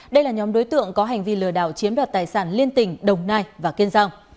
đây là nhóm đối tượng có hành vi lừa đảo chiếm đoạt tài sản liên tỉnh đồng nai và kiên giang